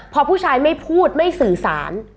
พอผู้ชายไม่พูดไม่สื่อสาร